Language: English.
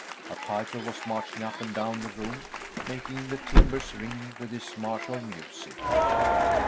A piper was marching up and down the room making the timbers ring with his martial music.